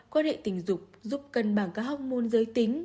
quan hệ tình dục giúp cân bằng các hormôn giới tính